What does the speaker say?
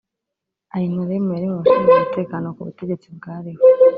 Aynalem yari mu bashinzwe umutekano ku butegetsi bwariho